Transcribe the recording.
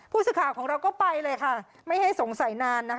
ผู้สื่อข่าวของเราก็ไปเลยค่ะไม่ให้สงสัยนานนะคะ